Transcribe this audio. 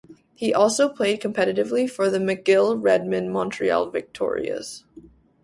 He also played competitively for the McGill Redmen and Montreal Victorias.